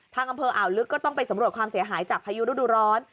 อำเภออ่าวลึกก็ต้องไปสำรวจความเสียหายจากพายุฤดูร้อน